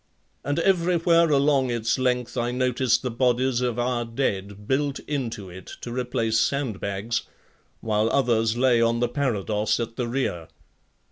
And everywhere along its length I noticed the bodies of our dead built into it to replace sandbags while others lay on the parados at the rear.